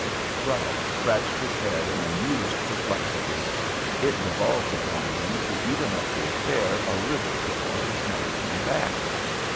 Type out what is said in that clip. Ralph scratched his head in amused perplexity. It devolved upon him to even up the affair a little before his mother came back.